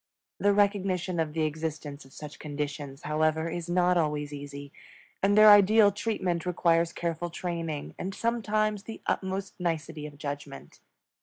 The recognition of the existence of such conditions, however, is not always easy, and their ideal treatment requires careful training and sometimes the utmost nicety of judgment.